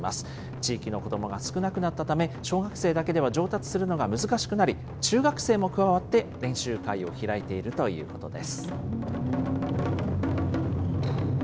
地域の子どもが少なくなったため、小学生だけでは上達するのが難しくなり、中学生も加わって練習会を開いているということです。